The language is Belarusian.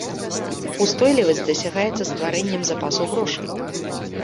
Устойлівасць дасягаецца стварэннем запасу грошай.